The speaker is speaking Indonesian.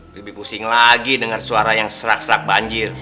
lebih pusing lagi dengar suara yang serak serak banjir